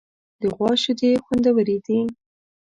د غوا شیدې خوندورې دي.